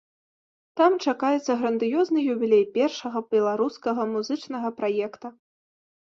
Там чакаецца грандыёзны юбілей першага беларускага музычнага праекта.